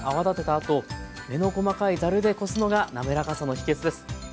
あと目の細かいざるでこすのがなめらかさの秘けつです。